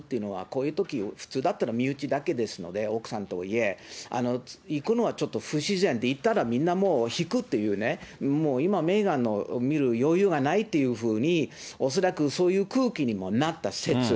こういうとき、普通だったら身内だけですので、奥さんといえ、行くのはちょっと不自然で、いったら、みんなもう、引くっていうね、もう今、メーガン見る余裕ないっていうふうに、恐らくそういう空気にもなった説。